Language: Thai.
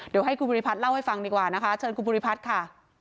เดี๋ยวให้คุณภูริพัฒน์เล่าให้ฟังดีกว่านะคะเชิญคุณภูริพัฒน์ค่ะ